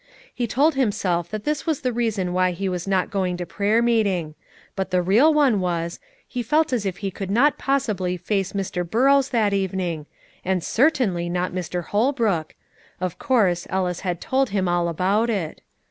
He told himself that this was the reason why he was not going to prayer meeting; but the real one was, he felt as if he could not possibly face Mr. Burrows that evening, and certainly not Mr. Holbrook, of course, Ellis had told him all about it.